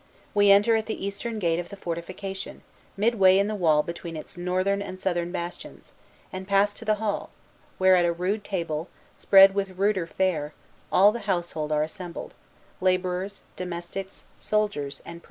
We enter at the eastern gate of the fortification, midway in the wall between its northern and southern bastions, and pass to the hall, where, at a rude table, spread with ruder fare, all the household are assembled, laborers, domestics, soldiers, and priests.